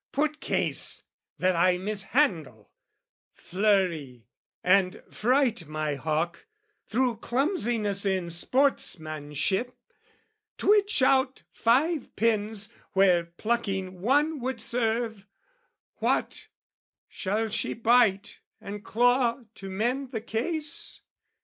Put case that I mishandle, flurry, and fright My hawk through clumsiness in sportsmanship, Twitch out five pens where plucking one would serve What, shall she bite and claw to mend the case?